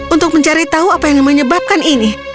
untuk mencari tahu apa yang menyebabkan ini